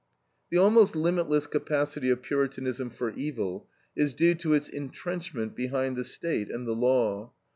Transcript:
The almost limitless capacity of Puritanism for evil is due to its intrenchment behind the State and the law.